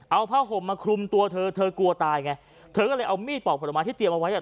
เอาผ้าห่มมาคลุมตัวเธอเธอกลัวตายไงเธอก็เลยเอามีดปอกผลไม้ที่เตรียมเอาไว้เนี่ย